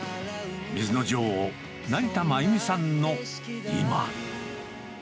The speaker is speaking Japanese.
水の女王、成田真由美さんの今。